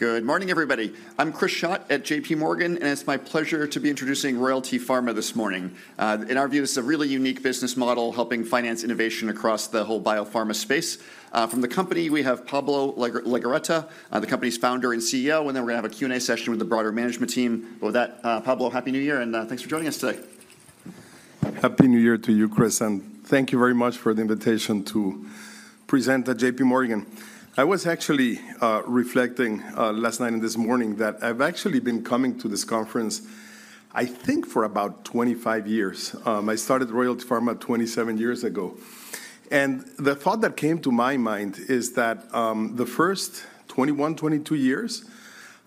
Good morning, everybody. I'm Chris Schott at J.P. Morgan, and it's my pleasure to be introducing Royalty Pharma this morning. In our view, this is a really unique business model, helping finance innovation across the whole biopharma space. From the company, we have Pablo Legorreta, the company's founder and CEO, and then we're gonna have a Q&A session with the broader management team. With that, Pablo, Happy New Year, and thanks for joining us today. Happy New Year to you, Chris, and thank you very much for the invitation to present at J.P. Morgan. I was actually reflecting last night and this morning that I've actually been coming to this conference, I think, for about 25 years. I started Royalty Pharma 27 years ago, and the thought that came to my mind is that the first 21, 22 years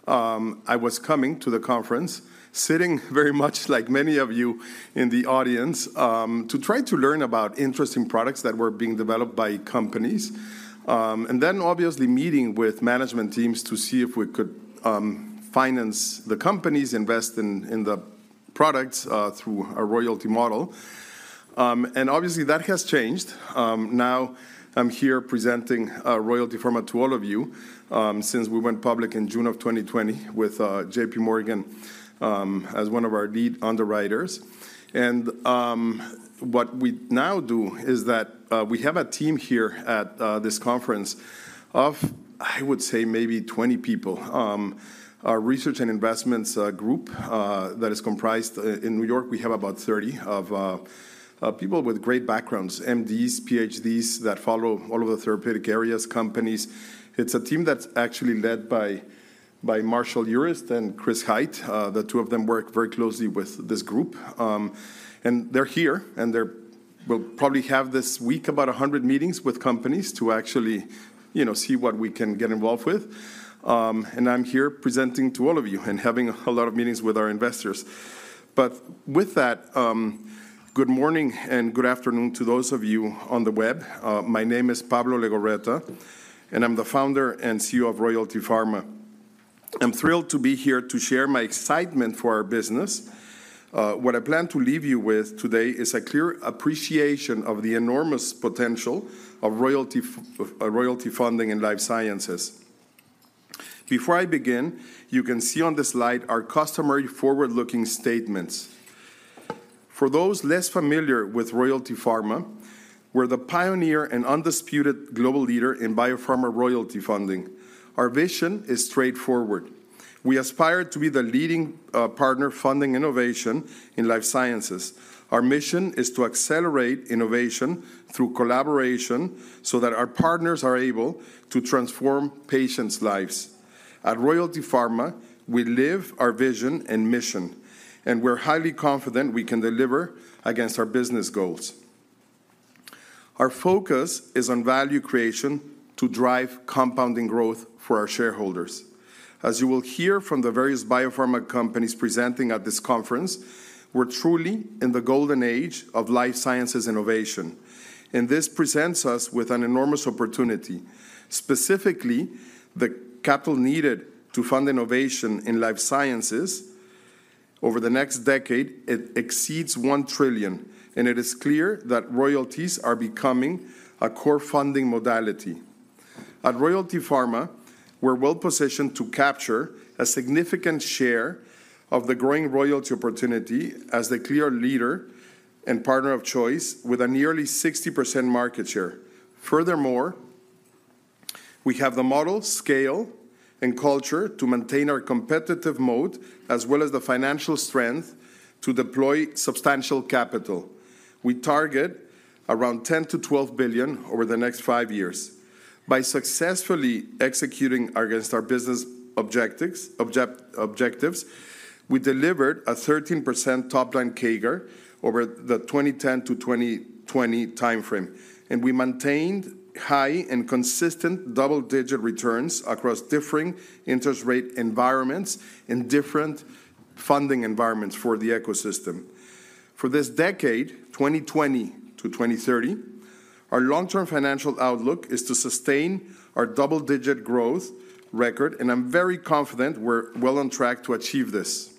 I was coming to the conference, sitting very much like many of you in the audience to try to learn about interesting products that were being developed by companies. And then obviously meeting with management teams to see if we could finance the companies, invest in the products through a royalty model. And obviously, that has changed. Now I'm here presenting Royalty Pharma to all of you, since we went public in June of 2020 with J.P. Morgan as one of our lead underwriters. What we now do is that we have a team here at this conference of, I would say, maybe 20 people. Our research and investments group that is comprised... In New York, we have about 30 of people with great backgrounds, MDs, PhDs, that follow all of the therapeutic areas, companies. It's a team that's actually led by Marshall Urist and Chris Hite. The two of them work very closely with this group. And they're here, and they're- will probably have, this week, about 100 meetings with companies to actually, you know, see what we can get involved with. And I'm here presenting to all of you and having a lot of meetings with our investors. But with that, good morning, and good afternoon to those of you on the web. My name is Pablo Legorreta, and I'm the Founder and CEO of Royalty Pharma. I'm thrilled to be here to share my excitement for our business. What I plan to leave you with today is a clear appreciation of the enormous potential of royalty funding in life sciences. Before I begin, you can see on the slide our customary forward-looking statements. For those less familiar with Royalty Pharma, we're the pioneer and undisputed global leader in biopharma royalty funding. Our vision is straightforward: We aspire to be the leading partner funding innovation in life sciences. Our mission is to accelerate innovation through collaboration so that our partners are able to transform patients' lives. At Royalty Pharma, we live our vision and mission, and we're highly confident we can deliver against our business goals. Our focus is on value creation to drive compounding growth for our shareholders. As you will hear from the various biopharma companies presenting at this conference, we're truly in the golden age of life sciences innovation, and this presents us with an enormous opportunity. Specifically, the capital needed to fund innovation in life sciences over the next decade. It exceeds $1 trillion, and it is clear that royalties are becoming a core funding modality. At Royalty Pharma, we're well-positioned to capture a significant share of the growing royalty opportunity as the clear leader and partner of choice with a nearly 60% market share. Furthermore, we have the model, scale, and culture to maintain our competitive moat, as well as the financial strength to deploy substantial capital. We target around $10-$12 billion over the next five years. By successfully executing against our business objectives, we delivered a 13% top-line CAGR over the 2010 to 2020 timeframe, and we maintained high and consistent double-digit returns across differing interest rate environments and different funding environments for the ecosystem. For this decade, 2020 to 2030, our long-term financial outlook is to sustain our double-digit growth record, and I'm very confident we're well on track to achieve this.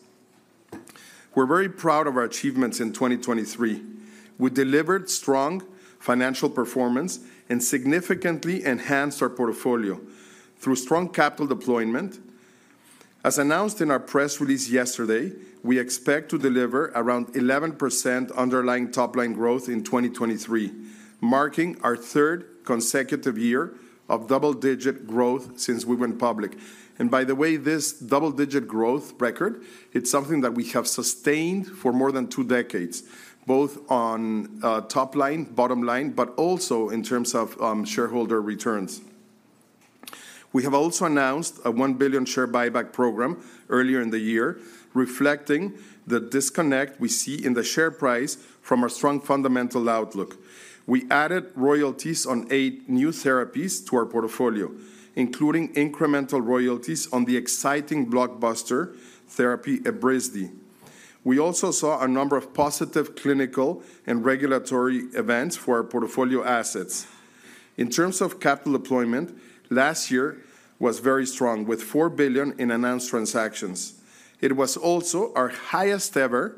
We're very proud of our achievements in 2023. We delivered strong financial performance and significantly enhanced our portfolio through strong capital deployment. As announced in our press release yesterday, we expect to deliver around 11% underlying top-line growth in 2023, marking our third consecutive year of double-digit growth since we went public. By the way, this double-digit growth record, it's something that we have sustained for more than two decades, both on top line, bottom line, but also in terms of shareholder returns. We have also announced a $1 billion share buyback program earlier in the year, reflecting the disconnect we see in the share price from our strong fundamental outlook. We added royalties on 8 new therapies to our portfolio, including incremental royalties on the exciting blockbuster therapy, Evrysdi. We also saw a number of positive clinical and regulatory events for our portfolio assets. In terms of capital deployment, last year was very strong, with $4 billion in announced transactions. It was also our highest-ever-...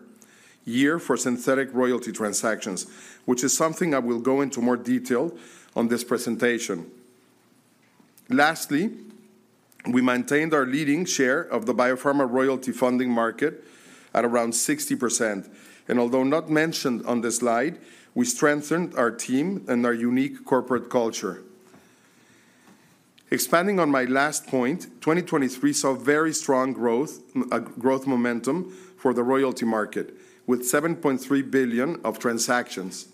year for synthetic royalty transactions, which is something I will go into more detail on this presentation. Lastly, we maintained our leading share of the biopharma royalty funding market at around 60%. Although not mentioned on this slide, we strengthened our team and our unique corporate culture. Expanding on my last point, 2023 saw very strong growth, growth momentum for the royalty market, with $7.3 billion of transactions,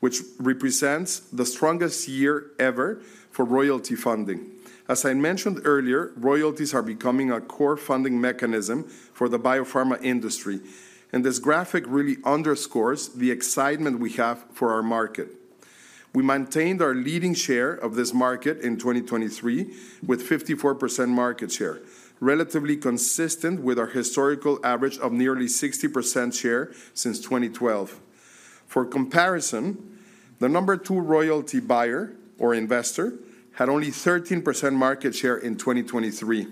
which represents the strongest year ever for royalty funding. As I mentioned earlier, royalties are becoming a core funding mechanism for the biopharma industry, and this graphic really underscores the excitement we have for our market. We maintained our leading share of this market in 2023, with 54% market share, relatively consistent with our historical average of nearly 60% share since 2012. For comparison, the number two royalty buyer or investor had only 13% market share in 2023.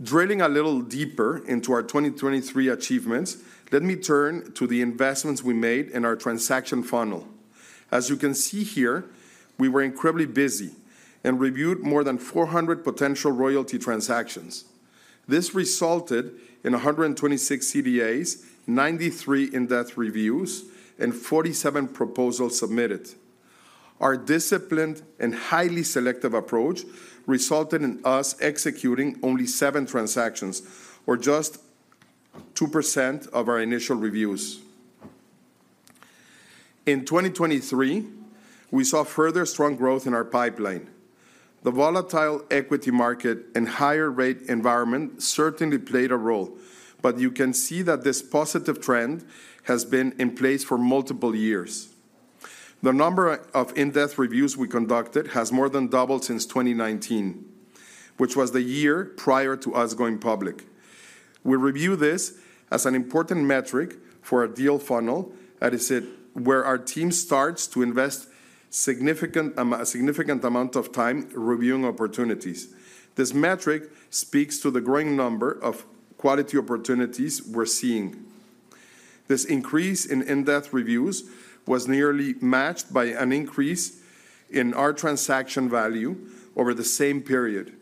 Drilling a little deeper into our 2023 achievements, let me turn to the investments we made in our transaction funnel. As you can see here, we were incredibly busy and reviewed more than 400 potential royalty transactions. This resulted in 126CDAs, 93 in-depth reviews, and 47 proposals submitted. Our disciplined and highly selective approach resulted in us executing only seven transactions, or just 2% of our initial reviews. In 2023, we saw further strong growth in our pipeline. The volatile equity market and higher rate environment certainly played a role, but you can see that this positive trend has been in place for multiple years. The number of in-depth reviews we conducted has more than doubled since 2019, which was the year prior to us going public. We review this as an important metric for our deal funnel, that is where our team starts to invest a significant amount of time reviewing opportunities. This metric speaks to the growing number of quality opportunities we're seeing. This increase in in-depth reviews was nearly matched by an increase in our transaction value over the same period,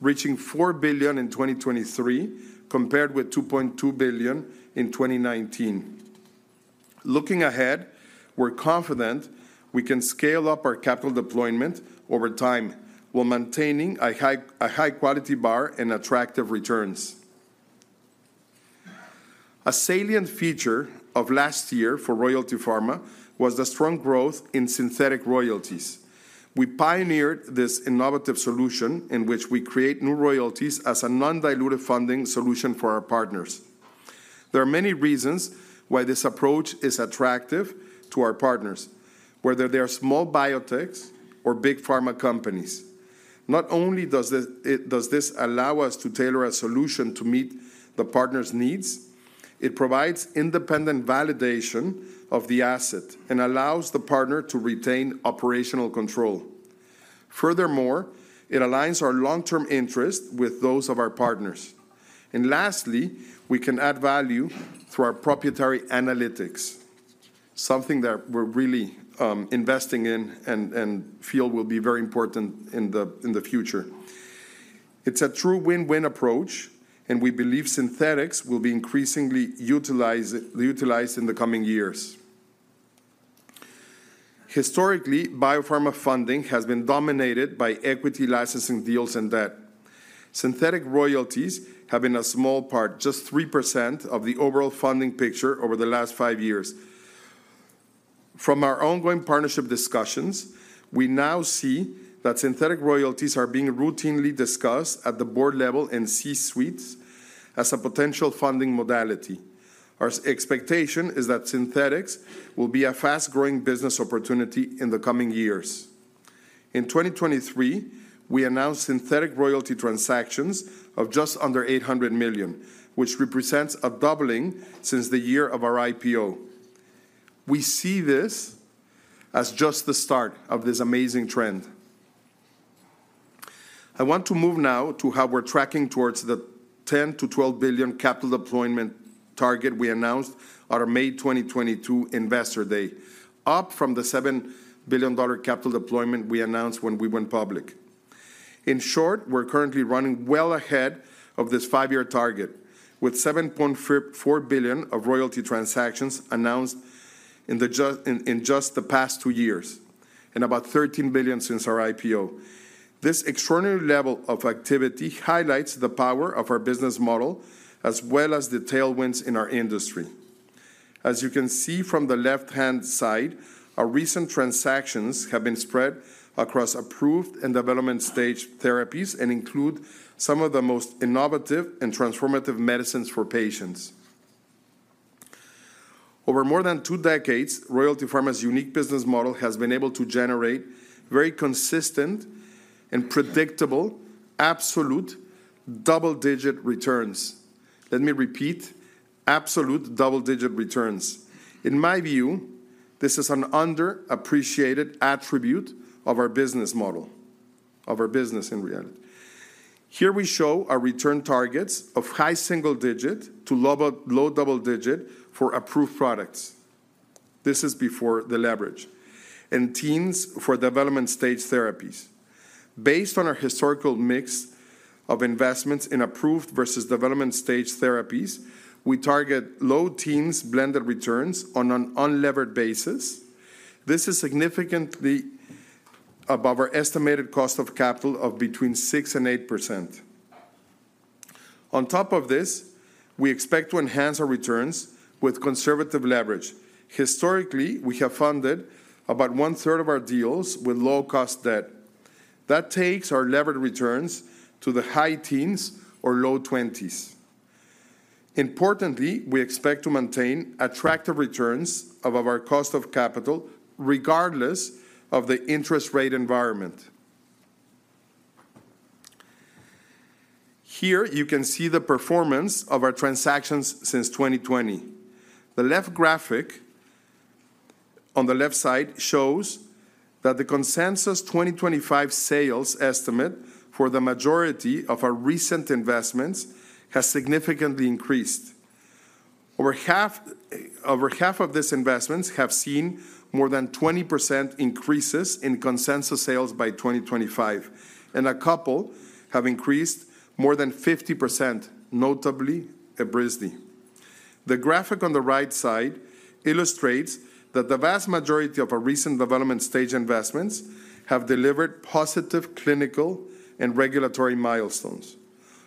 reaching $4 billion in 2023, compared with $2.2 billion in 2019. Looking ahead, we're confident we can scale up our capital deployment over time while maintaining a high, a high-quality bar and attractive returns. A salient feature of last year for Royalty Pharma was the strong growth in synthetic royalties. We pioneered this innovative solution, in which we create new royalties as a non-dilutive funding solution for our partners. There are many reasons why this approach is attractive to our partners, whether they are small biotechs or big pharma companies. Not only does this allow us to tailor a solution to meet the partner's needs, it provides independent validation of the asset and allows the partner to retain operational control. Furthermore, it aligns our long-term interest with those of our partners. And lastly, we can add value through our proprietary analytics, something that we're really investing in and feel will be very important in the future. It's a true win-win approach, and we believe synthetics will be increasingly utilized in the coming years. Historically, biopharma funding has been dominated by equity licensing deals and debt. Synthetic royalties have been a small part, just 3% of the overall funding picture over the last 5 years. From our ongoing partnership discussions, we now see that synthetic royalties are being routinely discussed at the board level and C-suites as a potential funding modality. Our expectation is that synthetics will be a fast-growing business opportunity in the coming years. In 2023, we announced synthetic royalty transactions of just under $800 million, which represents a doubling since the year of our IPO. We see this as just the start of this amazing trend. I want to move now to how we're tracking towards the $10 billion-$12 billion capital deployment target we announced on our May 2022 Investor Day, up from the $7 billion capital deployment we announced when we went public. In short, we're currently running well ahead of this five-year target, with $7.44 billion of royalty transactions announced in just the past two years, and about $13 billion since our IPO. This extraordinary level of activity highlights the power of our business model, as well as the tailwinds in our industry. As you can see from the left-hand side, our recent transactions have been spread across approved and development stage therapies and include some of the most innovative and transformative medicines for patients. Over more than two decades, Royalty Pharma's unique business model has been able to generate very consistent and predictable, absolute double-digit returns. Let me repeat, absolute double-digit returns. In my view, this is an underappreciated attribute of our business model of our business in reality. Here we show our return targets of high single-digit to low double-digit for approved products. This is before the leverage, and teens for development stage therapies. Based on our historical mix of investments in approved versus development stage therapies, we target low teens blended returns on an unlevered basis. This is significantly above our estimated cost of capital of between 6% and 8%. On top of this, we expect to enhance our returns with conservative leverage. Historically, we have funded about one-third of our deals with low-cost debt. That takes our levered returns to the high teens or low twenties. Importantly, we expect to maintain attractive returns above our cost of capital, regardless of the interest rate environment. Here you can see the performance of our transactions since 2020. The left graphic on the left side shows that the consensus 2025 sales estimate for the majority of our recent investments has significantly increased. Over half, over half of these investments have seen more than 20% increases in consensus sales by 2025, and a couple have increased more than 50%, notably Evrysdi. The graphic on the right side illustrates that the vast majority of our recent development stage investments have delivered positive clinical and regulatory milestones.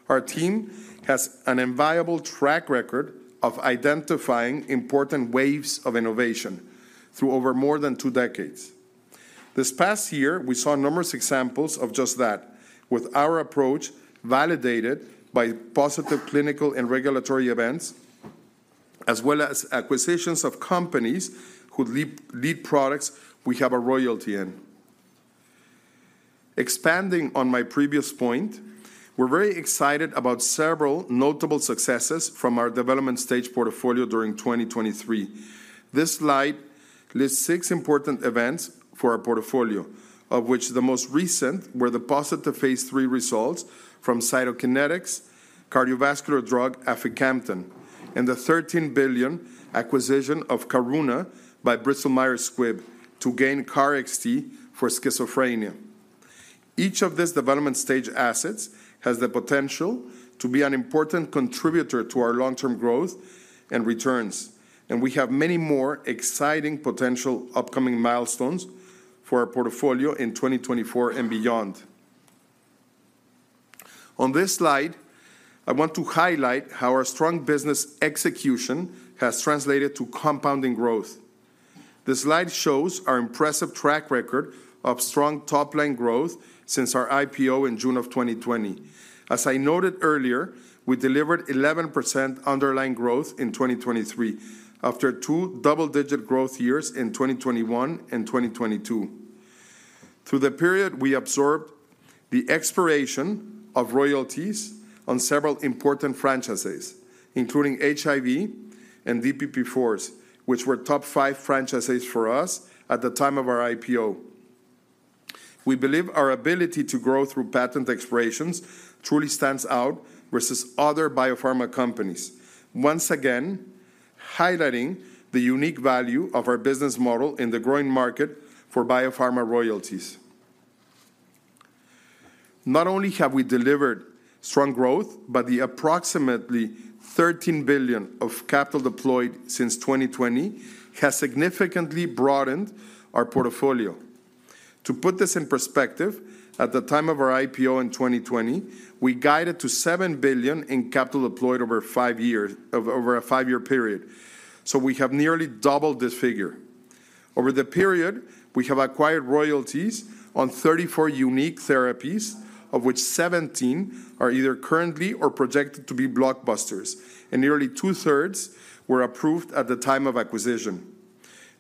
Our team has an enviable track record of identifying important waves of innovation over more than two decades. This past year, we saw numerous examples of just that, with our approach validated by positive clinical and regulatory events, as well as acquisitions of companies whose lead products we have a royalty in. Expanding on my previous point, we're very excited about several notable successes from our development stage portfolio during 2023. This slide lists six important events for our portfolio, of which the most recent were the positive Phase III results from Cytokinetics' cardiovascular drug, aficamten, and the $13 billion acquisition of Karuna by Bristol-Myers Squibb to gain KarXT for schizophrenia. Each of these development stage assets has the potential to be an important contributor to our long-term growth and returns, and we have many more exciting potential upcoming milestones for our portfolio in 2024 and beyond. On this slide, I want to highlight how our strong business execution has translated to compounding growth. This slide shows our impressive track record of strong top-line growth since our IPO in June 2020. As I noted earlier, we delivered 11% underlying growth in 2023, after two double-digit growth years in 2021 and 2022. Through the period, we absorbed the expiration of royalties on several important franchises, including HIV and DPP4s, which were top five franchises for us at the time of our IPO. We believe our ability to grow through patent expirations truly stands out versus other biopharma companies, once again, highlighting the unique value of our business model in the growing market for biopharma royalties. Not only have we delivered strong growth, but the approximately $13 billion of capital deployed since 2020 has significantly broadened our portfolio. To put this in perspective, at the time of our IPO in 2020, we guided to $7 billion in capital deployed over five years, over a five-year period, so we have nearly doubled this figure. Over the period, we have acquired royalties on 34 unique therapies, of which 17 are either currently or projected to be blockbusters, and nearly two-thirds were approved at the time of acquisition.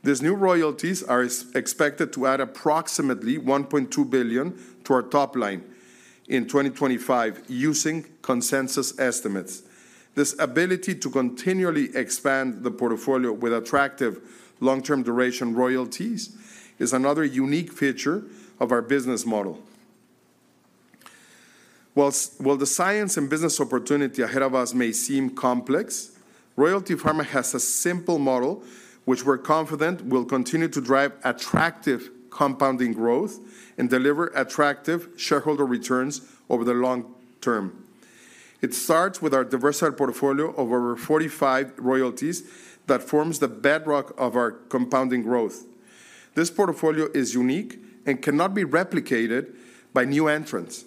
These new royalties are expected to add approximately $1.2 billion to our top line in 2025 using consensus estimates. This ability to continually expand the portfolio with attractive long-term duration royalties is another unique feature of our business model. While the science and business opportunity ahead of us may seem complex, Royalty Pharma has a simple model, which we're confident will continue to drive attractive compounding growth and deliver attractive shareholder returns over the long term. It starts with our diversified portfolio of over 45 royalties that forms the bedrock of our compounding growth. This portfolio is unique and cannot be replicated by new entrants.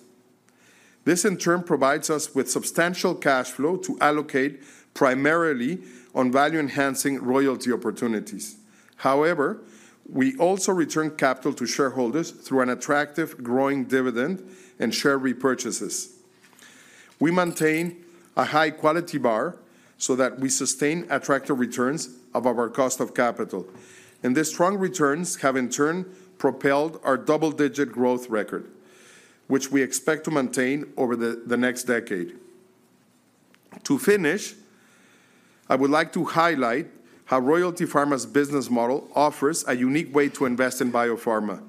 This, in turn, provides us with substantial cash flow to allocate primarily on value-enhancing royalty opportunities. However, we also return capital to shareholders through an attractive growing dividend and share repurchases. We maintain a high-quality bar so that we sustain attractive returns above our cost of capital, and these strong returns have, in turn, propelled our double-digit growth record, which we expect to maintain over the next decade. To finish, I would like to highlight how Royalty Pharma's business model offers a unique way to invest in biopharma.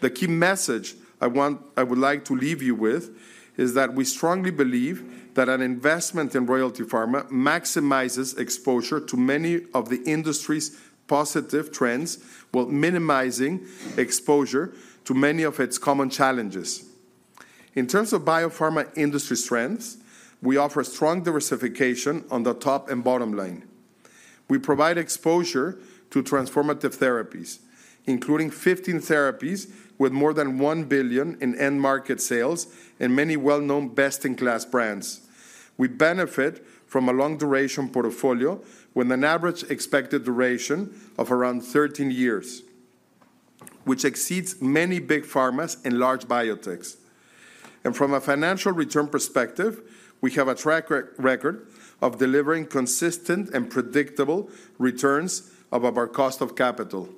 The key message I want, I would like to leave you with is that we strongly believe that an investment in Royalty Pharma maximizes exposure to many of the industry's positive trends, while minimizing exposure to many of its common challenges. In terms of biopharma industry strengths, we offer strong diversification on the top and bottom line. We provide exposure to transformative therapies, including 15 therapies with more than $1 billion in end market sales and many well-known best-in-class brands. We benefit from a long-duration portfolio with an average expected duration of around 13 years, which exceeds many big pharmas and large biotechs. From a financial return perspective, we have a track record of delivering consistent and predictable returns above our cost of capital.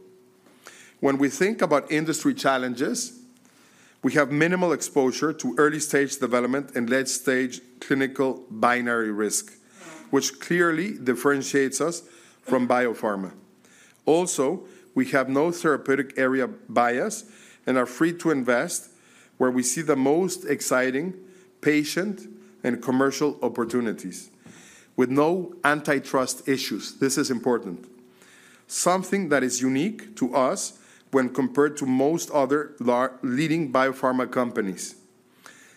When we think about industry challenges, we have minimal exposure to early-stage development and late-stage clinical binary risk, which clearly differentiates us from biopharma. Also, we have no therapeutic area bias and are free to invest where we see the most exciting patient and commercial opportunities, with no antitrust issues. This is important. Something that is unique to us when compared to most other leading biopharma companies.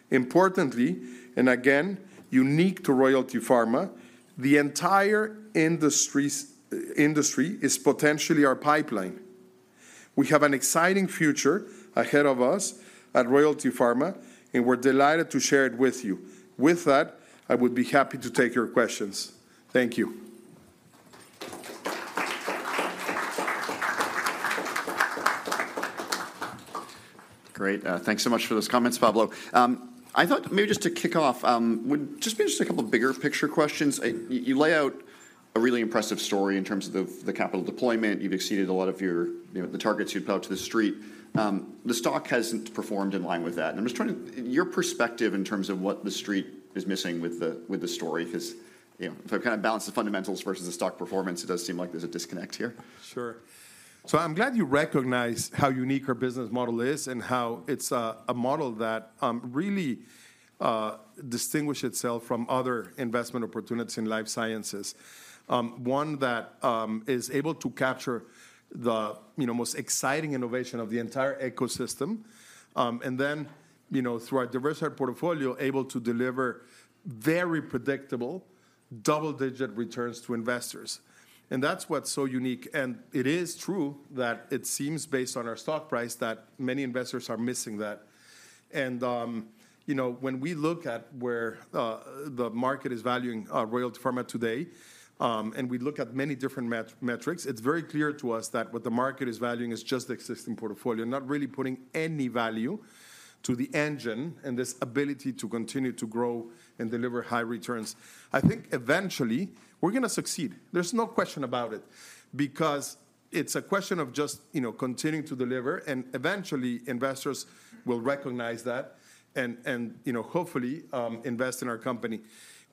Importantly, and again, unique to Royalty Pharma, the entire industries, industry is potentially our pipeline. We have an exciting future ahead of us at Royalty Pharma, and we're delighted to share it with you. With that, I would be happy to take your questions. Thank you. Great. Thanks so much for those comments, Pablo. I thought maybe just to kick off, would just be just a couple bigger picture questions. You lay out a really impressive story in terms of the capital deployment. You've exceeded a lot of your, you know, the targets you'd put out to the street. The stock hasn't performed in line with that, and I'm just trying to... Your perspective in terms of what the street is missing with the story, 'cause, you know, if I kind of balance the fundamentals versus the stock performance, it does seem like there's a disconnect here. Sure. So I'm glad you recognize how unique our business model is and how it's a model that really distinguish itself from other investment opportunities in life sciences. One that is able to capture the, you know, most exciting innovation of the entire ecosystem, and then, you know, through our diversified portfolio, able to deliver very predictable double-digit returns to investors, and that's what's so unique. And it is true that it seems, based on our stock price, that many investors are missing that. You know, when we look at where the market is valuing Royalty Pharma today, and we look at many different metrics, it's very clear to us that what the market is valuing is just the existing portfolio, not really putting any value to the engine and this ability to continue to grow and deliver high returns. I think eventually we're gonna succeed. There's no question about it, because it's a question of just, you know, continuing to deliver, and eventually investors will recognize that and, you know, hopefully, invest in our company.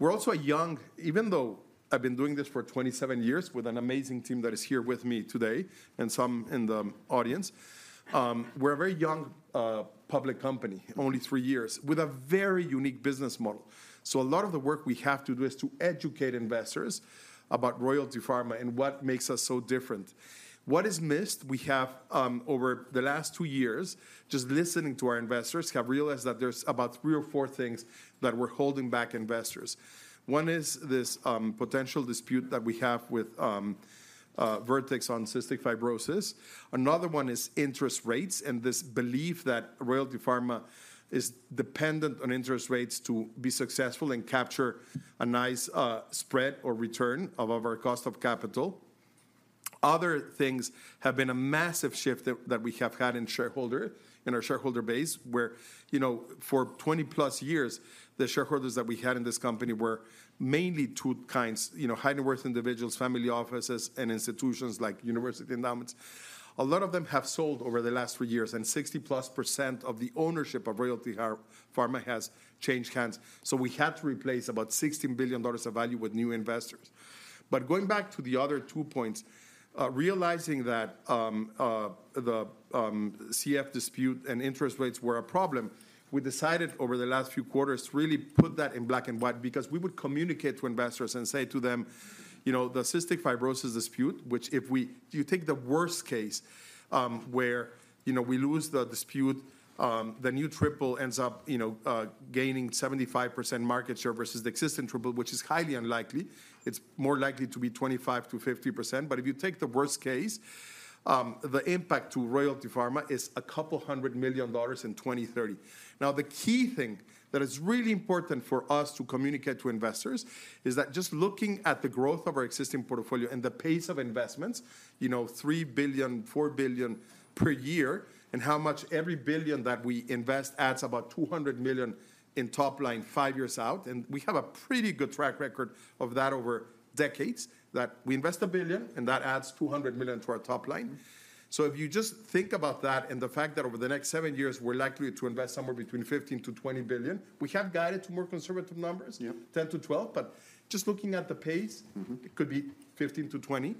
We're also a young... Even though I've been doing this for 27 years with an amazing team that is here with me today and some in the audience, we're a very young public company, only three years, with a very unique business model. So a lot of the work we have to do is to educate investors about Royalty Pharma and what makes us so different. What is missed, we have over the last 2 years, just listening to our investors, have realized that there's about 3 or 4 things that were holding back investors. One is this potential dispute that we have with Vertex on cystic fibrosis. Another one is interest rates and this belief that Royalty Pharma is dependent on interest rates to be successful and capture a nice spread or return above our cost of capital. Other things have been a massive shift that we have had in our shareholder base, where, you know, for 20+ years, the shareholders that we had in this company were mainly two kinds, you know, high-net-worth individuals, family offices, and institutions like university endowments. A lot of them have sold over the last three years, and 60+% of the ownership of Royalty Pharma has changed hands, so we had to replace about $16 billion of value with new investors. But going back to the other two points, realizing that the CF dispute and interest rates were a problem, we decided over the last few quarters to really put that in black and white because we would communicate to investors and say to them, "You know, the cystic fibrosis dispute, which if you take the worst case, where you know we lose the dispute, the new triple ends up, you know, gaining 75% market share versus the existing triple, which is highly unlikely, it's more likely to be 25%-50%. But if you take the worst case, the impact to Royalty Pharma is $200 million in 2030. Now, the key thing that is really important for us to communicate to investors is that just looking at the growth of our existing portfolio and the pace of investments, you know, $3 billion-$4 billion per year, and how much every $1 billion that we invest adds about $200 million in top line five years out, and we have a pretty good track record of that over decades. That we invest $1 billion, and that adds $200 million to our top line. So if you just think about that and the fact that over the next seven years, we're likely to invest somewhere between $15 billion-$20 billion... We have guided to more conservative numbers- Yeah. - 10-12, but just looking at the pace- Mm-hmm. It could be 15-20.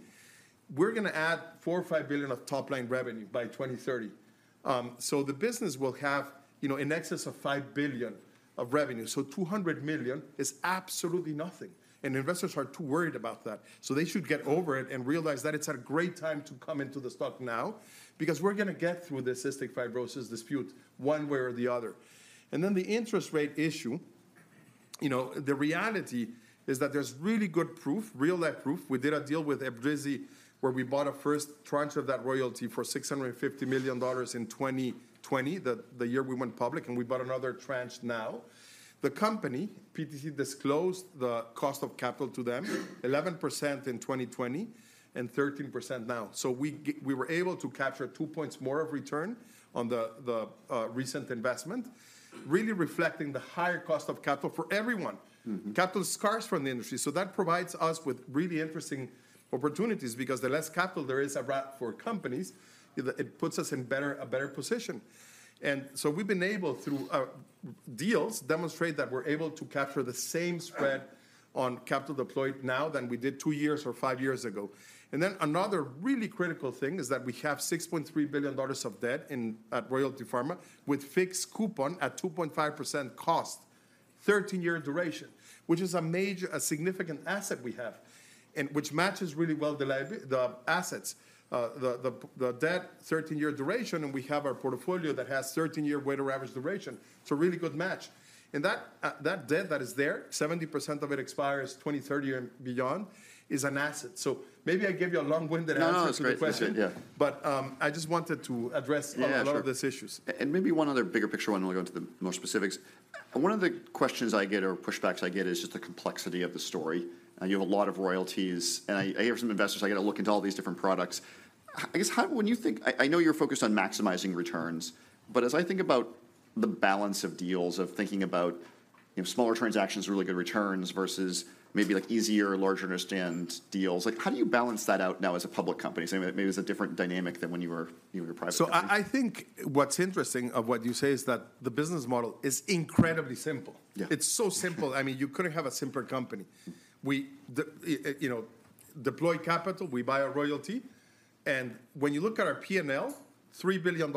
We're gonna add $4 billion or $5 billion of top-line revenue by 2030. So the business will have, you know, in excess of $5 billion of revenue, so $200 million is absolutely nothing, and investors are too worried about that. So they should get over it and realize that it's a great time to come into the stock now, because we're gonna get through the cystic fibrosis dispute one way or the other. And then the interest rate issue, you know, the reality is that there's really good proof, real life proof. We did a deal with AbbVie, where we bought a first tranche of that royalty for $650 million in 2020, the year we went public, and we bought another tranche now. The company, PTC, disclosed the cost of capital to them, 11% in 2020 and 13% now. So we were able to capture 2 points more of return on the, the, recent investment, really reflecting the higher cost of capital for everyone. Mm-hmm. Capital scars from the industry, so that provides us with really interesting opportunities, because the less capital there is around for companies, it puts us in a better position. And so we've been able through deals demonstrate that we're able to capture the same spread on capital deployed now than we did 2 years or 5 years ago. And then another really critical thing is that we have $6.3 billion of debt at Royalty Pharma, with fixed coupon at 2.5% cost, 13-year duration, which is a major a significant asset we have, and which matches really well the assets. The debt, 13-year duration, and we have our portfolio that has 13-year weighted average duration. It's a really good match. That debt that is there, 70% of it expires 2030 and beyond, is an asset. So maybe I gave you a long-winded answer- No, no, it's great. to the question. Yeah. But, I just wanted to address- Yeah, sure... a lot of these issues. Maybe one other bigger picture one, and we'll go into the more specifics. One of the questions I get or pushbacks I get is just the complexity of the story, and you have a lot of royalties. And I, I hear from some investors, "I've got to look into all these different products." I guess, how... When you think... I, I know you're focused on maximizing returns, but as I think about the balance of deals, of thinking about, you know, smaller transactions, really good returns, versus maybe, like, easier, larger understand deals, like, how do you balance that out now as a public company? So maybe it's a different dynamic than when you were, you were private. I think what's interesting of what you say is that the business model is incredibly simple. Yeah. It's so simple. I mean, you couldn't have a simpler company. We, you know, deploy capital, we buy a royalty, and when you look at our P&L, $3 billion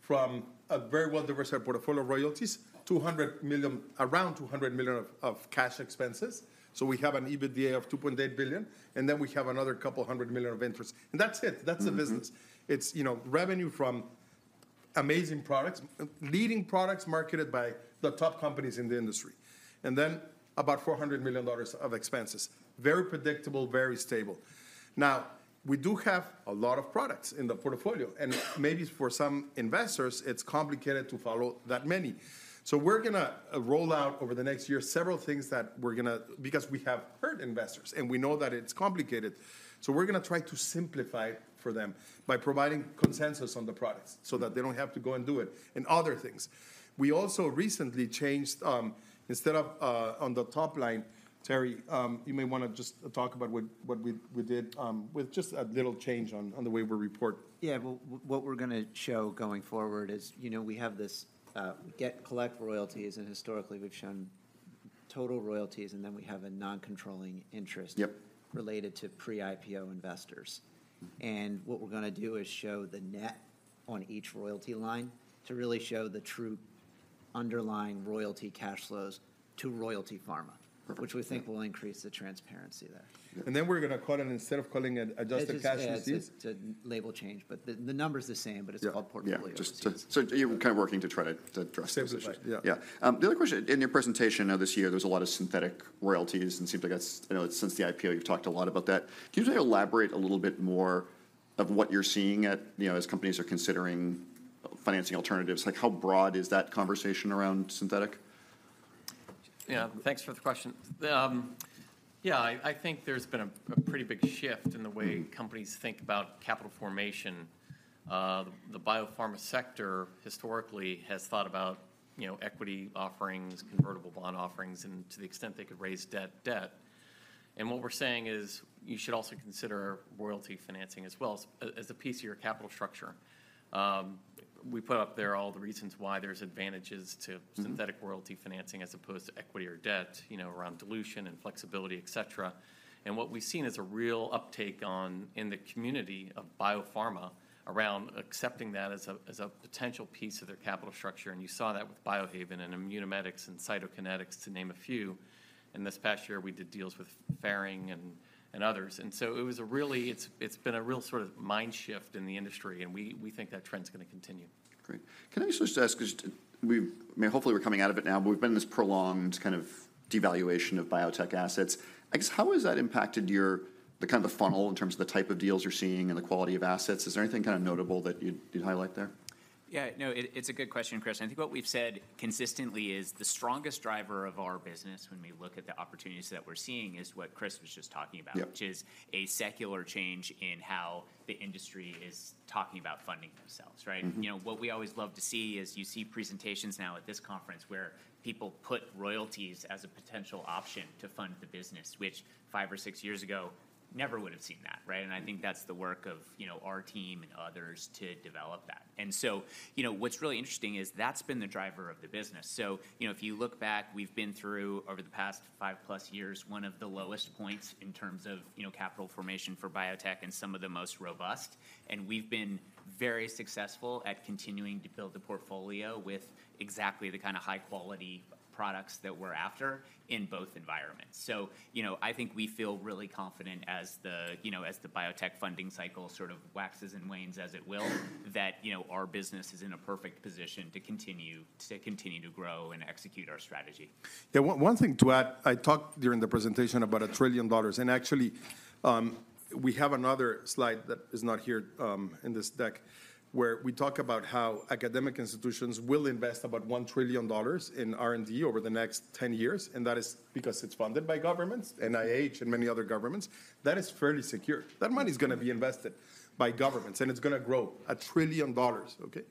from a very well-diversified portfolio of royalties, $200 million around $200 million of cash expenses, so we have an EBITDA of $2.8 billion, and then we have another couple hundred million of interest. And that's it. Mm-hmm. That's the business. It's, you know, revenue from amazing products, leading products marketed by the top companies in the industry, and then about $400 million of expenses. Very predictable, very stable. Now, we do have a lot of products in the portfolio, and maybe for some investors, it's complicated to follow that many. So we're gonna roll out, over the next year, several things that we're gonna... because we have heard investors, and we know that it's complicated. So we're gonna try to simplify it for them by providing consensus on the products, so that they don't have to go and do it, and other things. We also recently changed, instead of, on the top line, Terry, you may wanna just talk about what we did, with just a little change on the way we report. Yeah, well, what we're gonna show going forward is, you know, we have this, collect royalties, and historically we've shown total royalties, and then we have a non-controlling interest- Yep... related to pre-IPO investors. What we're gonna do is show the net on each royalty line to really show the true underlying royalty cash flows to Royalty Pharma. Perfect. which we think will increase the transparency there. Then we're gonna call it, instead of calling it adjusted cash receipts- It's a label change, but the number's the same- Yeah. But it's called portfolio. Yeah, just so you're kind of working to try to address some of those issues. Yeah. Yeah. The other question, in your presentation, this year, there's a lot of synthetic royalties, and it seems like that's, you know, since the IPO, you've talked a lot about that. Can you elaborate a little bit more of what you're seeing at, you know, as companies are considering financing alternatives? Like, how broad is that conversation around synthetic? Yeah, thanks for the question. Yeah, I think there's been a pretty big shift in the way companies think about capital formation. The biopharma sector historically has thought about, you know, equity offerings, convertible bond offerings, and to the extent they could raise debt. And what we're saying is, you should also consider royalty financing as well as a piece of your capital structure. We put up there all the reasons why there's advantages to- Mm-hmm... synthetic royalty financing as opposed to equity or debt, you know, around dilution and flexibility, et cetera. And what we've seen is a real uptake in the community of biopharma around accepting that as a potential piece of their capital structure, and you saw that with Biohaven and Immunomedics and Cytokinetics, to name a few. And this past year, we did deals with Ferring and others. And so it's been a real sort of mind shift in the industry, and we think that trend's gonna continue. Great. Can I just ask, 'cause we've—I mean, hopefully we're coming out of it now, but we've been in this prolonged kind of devaluation of biotech assets. I guess, how has that impacted your, the kind of the funnel in terms of the type of deals you're seeing and the quality of assets? Is there anything kind of notable that you'd highlight there? ... Yeah, no, it's a good question, Chris. I think what we've said consistently is the strongest driver of our business when we look at the opportunities that we're seeing is what Chris was just talking about- Yeah. which is a secular change in how the industry is talking about funding themselves, right? Mm-hmm. You know, what we always love to see is, you see presentations now at this conference where people put royalties as a potential option to fund the business, which five or six years ago, never would've seen that, right? Mm-hmm. I think that's the work of, you know, our team and others to develop that. And so, you know, what's really interesting is that's been the driver of the business. So, you know, if you look back, we've been through, over the past 5+ years, one of the lowest points in terms of, you know, capital formation for biotech and some of the most robust. And we've been very successful at continuing to build the portfolio with exactly the kind of high-quality products that we're after in both environments. So, you know, I think we feel really confident as the, you know, as the biotech funding cycle sort of waxes and wanes, as it will, that, you know, our business is in a perfect position to continue-- to continue to grow and execute our strategy. Yeah, one, one thing to add. I talked during the presentation about $1 trillion, and actually, we have another slide that is not here in this deck, where we talk about how academic institutions will invest about $1 trillion in R&D over the next 10 years, and that is because it's funded by governments, NIH and many other governments. That is fairly secure. That money's gonna be invested by governments, and it's gonna grow $1 trillion, okay?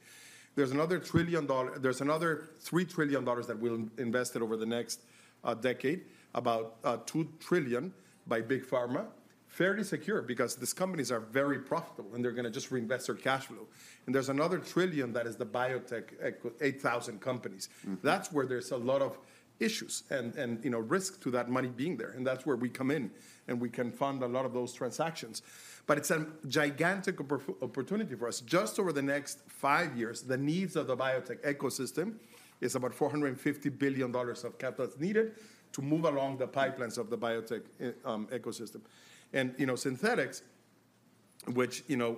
There's another $3 trillion that will be invested over the next decade, about $2 trillion by Big Pharma. Fairly secure, because these companies are very profitable, and they're gonna just reinvest their cash flow. And there's another $1 trillion that is the biotech ecosystem of 8,000 companies. Mm-hmm. That's where there's a lot of issues and, you know, risk to that money being there, and that's where we come in, and we can fund a lot of those transactions. But it's a gigantic opportunity for us. Just over the next five years, the needs of the biotech ecosystem is about $450 billion of capital is needed to move along the pipelines- Mm... of the biotech ecosystem. You know, synthetics, which, you know,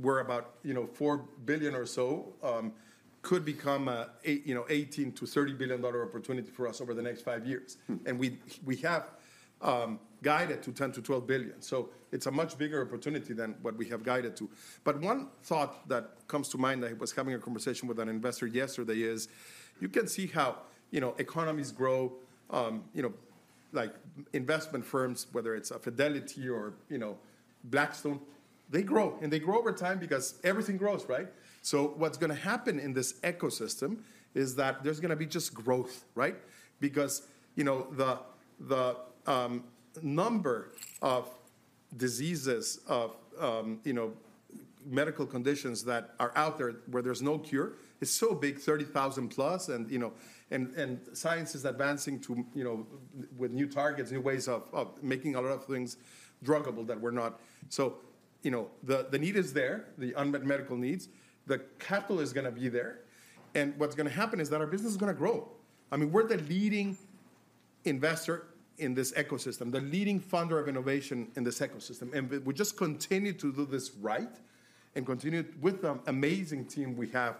we're about $4 billion or so, could become an 8, you know, $18-$30 billion-dollar opportunity for us over the next five years. Mm. We, we have guided to $10 billion-$12 billion, so it's a much bigger opportunity than what we have guided to. But one thought that comes to mind, I was having a conversation with an investor yesterday, is you can see how, you know, economies grow, you know, like investment firms, whether it's a Fidelity or, you know, Blackstone, they grow, and they grow over time because everything grows, right? So what's gonna happen in this ecosystem is that there's gonna be just growth, right? Because, you know, the, the, number of diseases, of, you know, medical conditions that are out there where there's no cure, is so big, 30,000+, and, you know, and, and science is advancing to, you know, with new targets, new ways of, of making a lot of things druggable that were not. So, you know, the need is there, the unmet medical needs. The capital is gonna be there, and what's gonna happen is that our business is gonna grow. I mean, we're the leading investor in this ecosystem, the leading funder of innovation in this ecosystem, and we just continue to do this right and continue with the amazing team we have,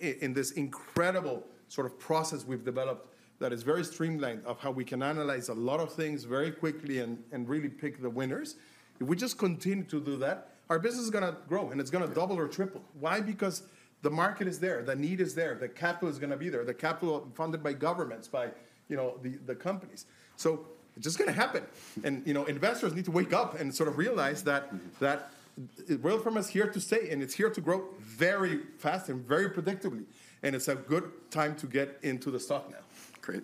in this incredible sort of process we've developed, that is very streamlined, of how we can analyze a lot of things very quickly and really pick the winners. If we just continue to do that, our business is gonna grow, and it's gonna double or triple. Why? Because the market is there, the need is there, the capital is gonna be there, the capital funded by governments, by, you know, the companies. So it's just gonna happen. You know, investors need to wake up and sort of realize that- Mm... that Royalty Pharma is here to stay, and it's here to grow very fast and very predictably, and it's a good time to get into the stock now. Great.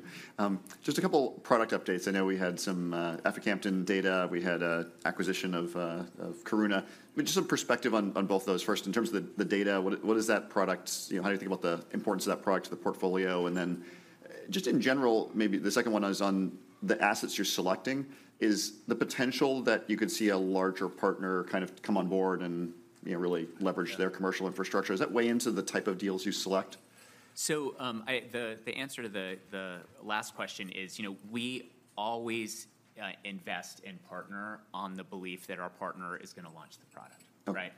Just a couple product updates. I know we had some aficamten data. We had a acquisition of of Karuna. I mean, just some perspective on both of those. First, in terms of the data, what is that product's... You know, how do you think about the importance of that product to the portfolio? And then, just in general, maybe the second one is on the assets you're selecting. Is the potential that you could see a larger partner kind of come on board and, you know, really leverage their commercial infrastructure, does that weigh into the type of deals you select? So, the answer to the last question is, you know, we always invest and partner on the belief that our partner is gonna launch the product. Okay. Right?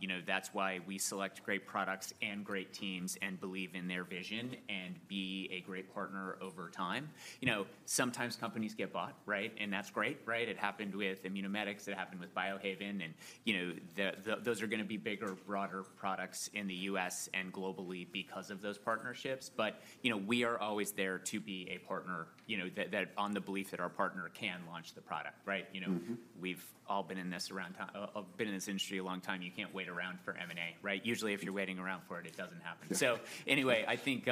You know, that's why we select great products and great teams and believe in their vision and be a great partner over time. You know, sometimes companies get bought, right? And that's great, right? It happened with Immunomedics, it happened with Biohaven, and, you know, those are gonna be bigger, broader products in the U.S. and globally because of those partnerships. But, you know, we are always there to be a partner, you know, that on the belief that our partner can launch the product, right? Mm-hmm. You know, we've all been in this industry a long time. You can't wait around for M&A, right? Usually, if you're waiting around for it, it doesn't happen. Yeah. So anyway, I think,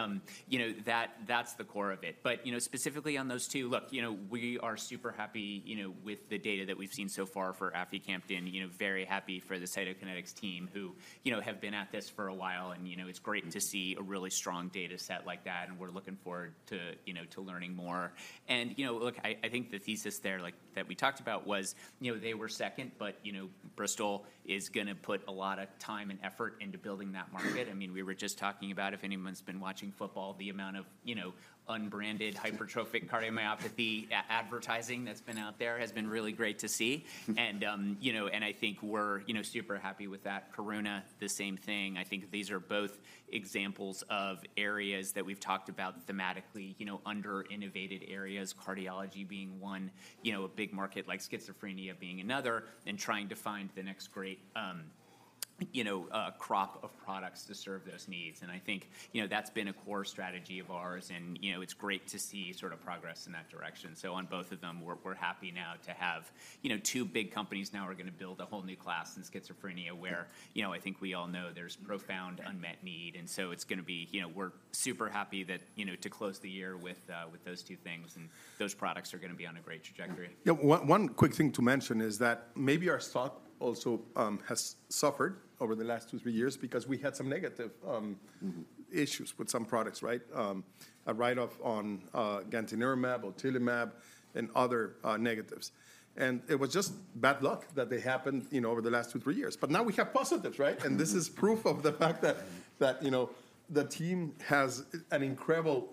you know, that, that's the core of it. But, you know, specifically on those two, look, you know, we are super happy, you know, with the data that we've seen so far for aficamten. You know, very happy for the Cytokinetics team, who, you know, have been at this for a while, and, you know, it's great to see a really strong data set like that, and we're looking forward to, you know, to learning more. And, you know, look, I think the thesis there, like, that we talked about was, you know, they were second, but, you know, Bristol is gonna put a lot of time and effort into building that market. I mean, we were just talking about, if anyone's been watching football, the amount of, you know, unbranded hypertrophic cardiomyopathy advertising that's been out there has been really great to see. And, you know, and I think we're, you know, super happy with that. Karuna, the same thing. I think these are both examples of areas that we've talked about thematically, you know, under-innovated areas, cardiology being one, you know, a big market like schizophrenia being another, and trying to find the next great, you know, a crop of products to serve those needs. And I think, you know, that's been a core strategy of ours, and, you know, it's great to see sort of progress in that direction. So on both of them, we're happy now to have, you know, two big companies now are gonna build a whole new class in schizophrenia where, you know, I think we all know there's profound unmet need. And so it's gonna be, you know, we're super happy that, you know, to close the year with those two things, and those products are gonna be on a great trajectory. Yeah. One quick thing to mention is that maybe our stock also has suffered over the last two, three years because we had some negative issues with some products, right? A write-off on gantenerumab, otilimab, and other negatives. And it was just bad luck that they happened, you know, over the last two, three years. But now we have positives, right? And this is proof of the fact that you know, the team has an incredible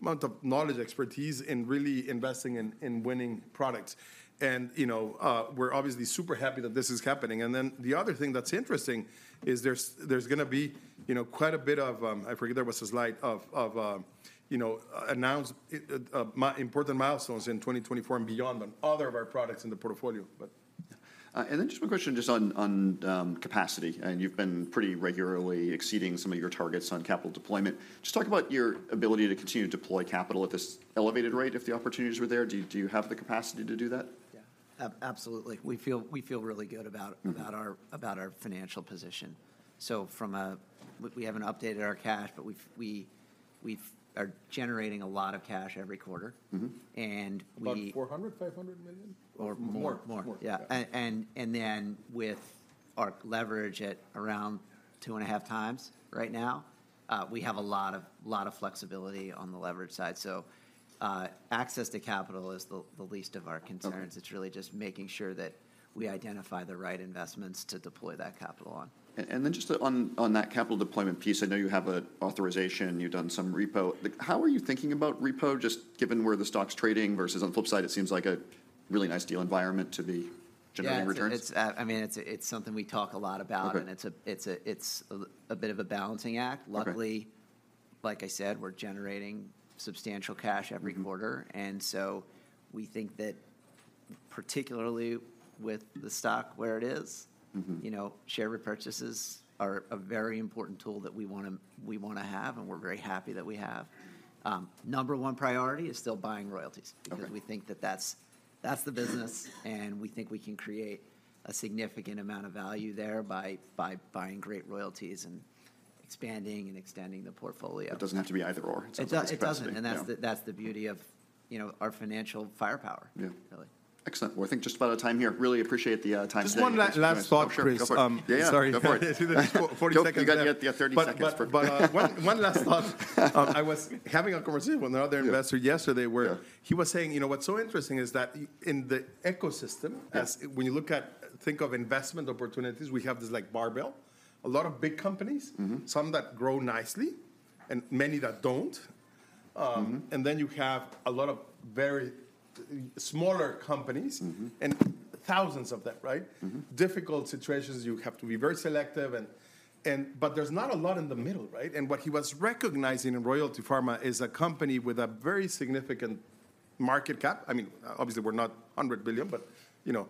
amount of knowledge, expertise in really investing in winning products. And you know, we're obviously super happy that this is happening. And then the other thing that's interesting is there's gonna be you know, quite a bit of... I forget there was a slide of you know announcing important milestones in 2024 and beyond on other of our products in the portfolio, but- Then just one question just on capacity. You've been pretty regularly exceeding some of your targets on capital deployment. Just talk about your ability to continue to deploy capital at this elevated rate if the opportunities were there. Do you have the capacity to do that? Yeah. Absolutely. We feel, we feel really good about- Mm-hmm... about our financial position. So we haven't updated our cash, but we are generating a lot of cash every quarter. Mm-hmm. And we- About $400 million-$500 million? Or more. More, more. More. Yeah. And then with our leverage at around 2.5x right now, we have a lot of flexibility on the leverage side. So, access to capital is the least of our concerns. Okay. It's really just making sure that we identify the right investments to deploy that capital on. And then just on that capital deployment piece, I know you have an authorization, you've done some repo. Like, how are you thinking about repo, just given where the stock's trading versus on the flip side, it seems like a really nice deal environment to be generating returns? Yeah, it's, I mean, it's something we talk a lot about- Okay... and it's a bit of a balancing act. Okay. Luckily, like I said, we're generating substantial cash every quarter. Mm-hmm. We think that particularly with the stock where it is- Mm-hmm... you know, share repurchases are a very important tool that we wanna, we wanna have, and we're very happy that we have. Number one priority is still buying royalties- Okay... because we think that that's the business, and we think we can create a significant amount of value there by buying great royalties and expanding and extending the portfolio. It doesn't have to be either/or. It doesn't. Yeah... and that's the beauty of, you know, our financial firepower- Yeah... really. Excellent. Well, I think just about out of time here. Really appreciate the time today. Just one last thought, Chris. Sure. No, go for it. Um, sorry. Yeah, yeah. Go for it. Forty seconds. Nope, you got, you got 30 seconds. But, one last thought. I was having a conversation with another investor yesterday- Yeah... where he was saying, "You know, what's so interesting is that in the ecosystem- Yeah... as when you look at, think of investment opportunities, we have this, like, barbell, a lot of big companies- Mm-hmm... some that grow nicely and many that don't. Mm-hmm. And then you have a lot of very smaller companies- Mm-hmm... and thousands of them, right? Mm-hmm. Difficult situations, you have to be very selective and. But there's not a lot in the middle, right?" And what he was recognizing in Royalty Pharma is a company with a very significant market cap. I mean, obviously, we're not $100 billion, but, you know,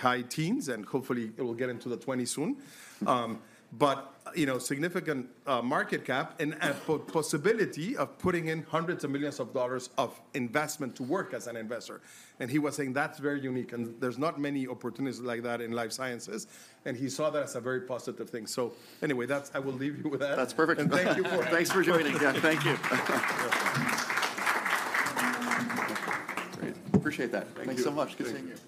high teens, and hopefully it will get into the twenties soon. But, you know, significant market cap and possibility of putting in $hundreds of millions of investment to work as an investor. And he was saying that's very unique, and there's not many opportunities like that in life sciences. And he saw that as a very positive thing. So anyway, that's. I will leave you with that. That's perfect. And thank you for- Thanks for joining. Yeah, thank you. Great. Appreciate that. Thank you. Thanks so much. Good seeing you.